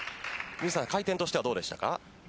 回転としては、どうでしたか。